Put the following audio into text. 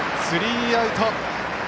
スリーアウト！